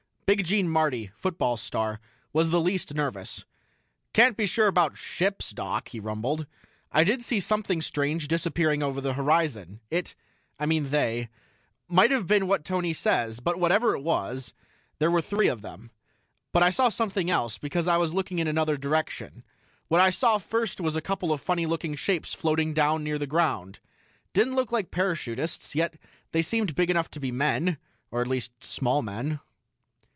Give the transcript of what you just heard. Big Gene Marty, football star, was the least nervous. "Can't be sure about ships, Doc," he rumbled. "I did see something strange disappearing over the horizon. It I mean they might have been what Tony says; but whatever it was, there were three of them. But I saw something else, because I was looking in another direction. What I saw first was a couple of funny looking shapes floating down near the ground. Didn't look like parachutists, yet they seemed big enough to be men or at least, small men."